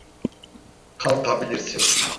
Kalkabilirsin.